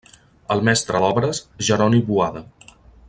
El mestre d'obres Jeroni Boada.